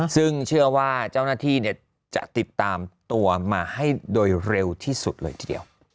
ซึ่งเชื่อว่าเจ้าหน้าที่จะติดตามตัวมาให้โดยเร็วที่สุดเลยทีเดียว